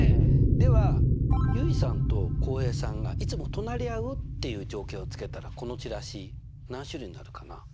では結衣さんと浩平さんがいつも隣り合うっていう条件をつけたらこのチラシ何種類になるかな？